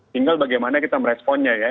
tinggal bagaimana kita meresponnya ya